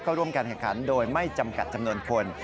ร่วมการแข่งขันโดยไม่จำกัดจำนวนคน